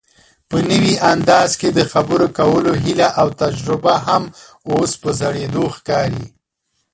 په نوي انداز کې دخبرو کولو هيله اوتجربه هم اوس په زړېدو ښکاري